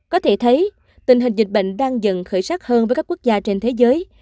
có thể thấy tình hình dịch bệnh đang dần khởi sắc hơn với các quốc gia trên thế giới